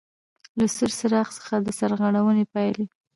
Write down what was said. له سور څراغ څخه د سرغړونې پاېلې: